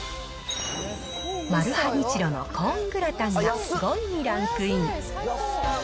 マルハニチロのコーングラタンが５位にランクイン。